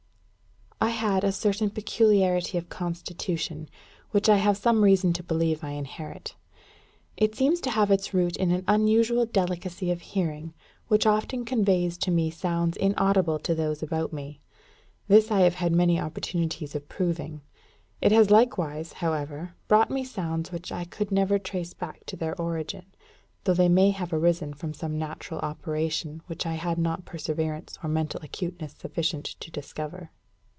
I had a certain peculiarity of constitution, which I have some reason to believe I inherit. It seems to have its root in an unusual delicacy of hearing, which often conveys to me sounds inaudible to those about me. This I have had many opportunities of proving. It has likewise, however, brought me sounds which I could never trace back to their origin; though they may have arisen from some natural operation which I had not perseverance or mental acuteness sufficient to discover.